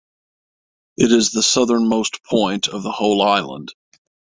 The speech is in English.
It is the southernmost point of the whole island.